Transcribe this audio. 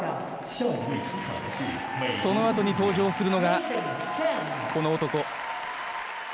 そのあとに登場するのがこの男。